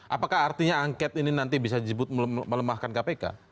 apakah artinya angket ini nanti bisa disebut melemahkan kpk